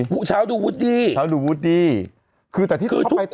พูดเช้าดูวุฒิดี